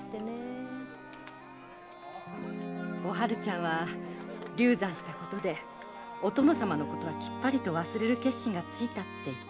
おはるちゃんは流産したことでお殿様のことはきっぱりと忘れる決心がついたって言ってました。